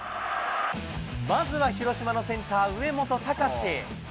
まずは、広島のセンター、上本崇司。